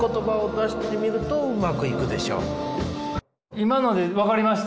今ので分かりました？